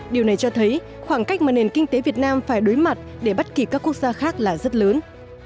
điều này cho thấy khoảng cách mà nền kinh tế việt nam phải đối mặt để bắt kịp các quốc gia khác là rất lớn